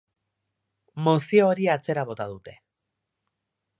Mozio hori atzera bota dute.